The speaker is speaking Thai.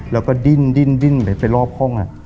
เราก็ดิ้นไปรอบห้องอะ